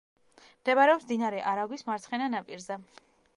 მდებარეობს მდინარე არაგვის მარცხენა ნაპირზე.